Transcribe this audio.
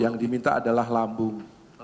yang diminta adalah lambung